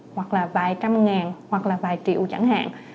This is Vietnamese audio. hoặc là vài trăm ngàn hoặc là vài triệu chẳng hạn